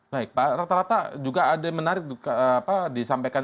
baik pak rata rata juga ada yang menarik disampaikan